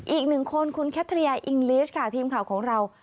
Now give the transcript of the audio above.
อีกหนึ่งคนคุณแคทริยาอิงลิสค่ะทีมข่าวของเรา